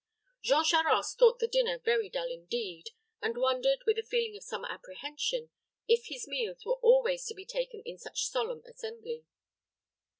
Jean Charost thought the dinner very dull indeed, and wondered, with a feeling of some apprehension, if his meals were always to be taken in such solemn assembly.